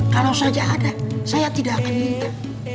kalau saja ada saya tidak akan minta